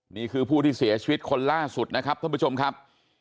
นี่คือผู้ที่เสียชีวิตคนล่าสุดนะครับท่านผู้ชมครับ